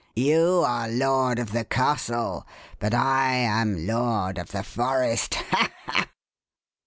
You are lord of the castle, but I am lord of the forest. Ha! ha!"